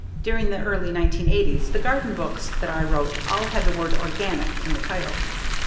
During the early 1980s the garden books that I wrote all had the word "organic" in the title.